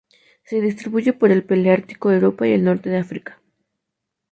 Se distribuye por el paleártico: Europa y el norte de África.